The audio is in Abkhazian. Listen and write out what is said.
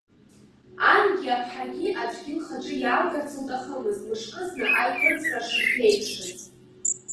Ангьы аԥҳагьы аӡәгьы лхаҿы иаалгарц лҭахымызт мышкызны аиԥырҵра шырԥеиԥшыз.